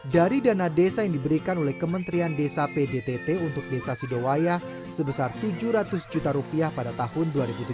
dari dana desa yang diberikan oleh kementerian desa pdtt untuk desa sidowaya sebesar tujuh ratus juta rupiah pada tahun dua ribu tujuh belas